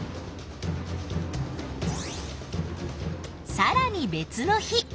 さらに別の日。